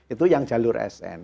itu yang jalur sn